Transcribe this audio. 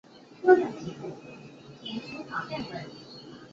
古廷区是莱索托南部的一个区。